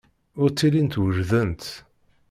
Ur ttilint wejdent.